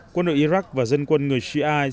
quân đội iraq và dân quân người shiite